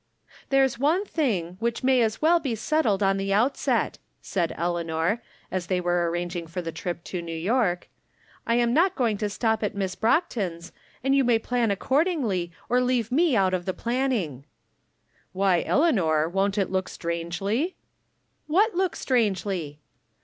" There's one thing, wliich may as well be set tled in the outset," said Eleanor, as they were arranging for the trip to New York, " I am not going to stop at Miss Brockton's, and you may From Different Standpoints. 263 plan accordingly, or leave me out of tlie plan ning." " Why, Eleanor, won't it look strangely ?"" "What look strangely